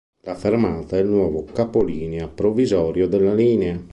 La fermata è il nuovo capolinea provvisorio della linea.